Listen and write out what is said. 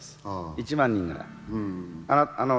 １万人ぐらい。